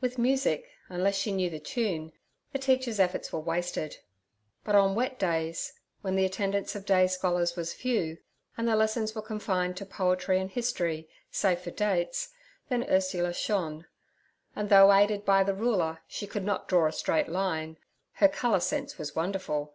With music, unless she knew the tune, the teacher's efforts were wasted. But on wet days, when the attendance of day scholars was few and the lessons were confined to poetry and history, save for dates, then Ursula shone; and though aided by the ruler she could not draw a straight line, her colour sense was wonderful.